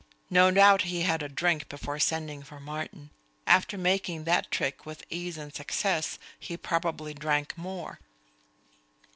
No doubt he had a drink before sending for Martin; after making that trick with ease and success, he probably drank more.